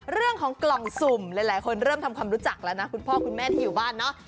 เรื่องของกล่องสุ่มหลายคนเริ่มทำความรู้จักแล้วนะคุณพ่อคุณแม่ที่อยู่บ้านเนาะ